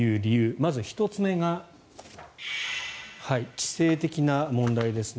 まず１つ目が地勢的な問題ですね。